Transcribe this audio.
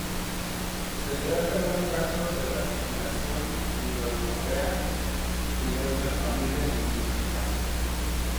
Se trata de un caso de la declinación indoeuropea y de otras familias lingüísticas.